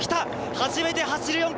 初めて走る４区。